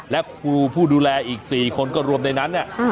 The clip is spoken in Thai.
และครูผู้ดูแลอีก๔คนก็รวมในนั้นเนี่ย